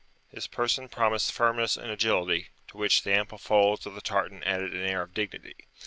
His person promised firmness and agility, to which the ample folds of the tartan added an air of dignity.